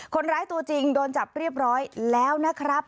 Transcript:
ตัวจริงโดนจับเรียบร้อยแล้วนะครับ